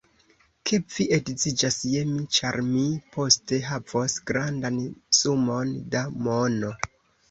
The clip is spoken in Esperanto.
Ke vi edziĝas je mi, ĉar mi poste havos grandan sumon da mono.